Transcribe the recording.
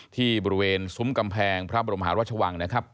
ที่บริเวณซุ้มกำแพงพระบรมหาราชวังนะครับ